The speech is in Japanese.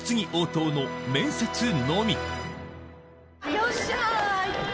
よっしゃ。